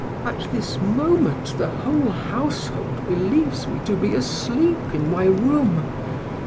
At this moment the whole household believes me to be asleep in my room.